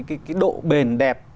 cái độ bền đẹp